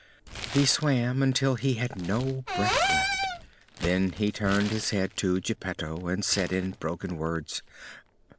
He swam until he had no breath left; then he turned his head to Geppetto and said in broken words?